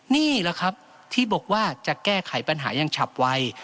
นี่แหละครับที่บอกว่าจะแก้ไขปัญหายังฉับไว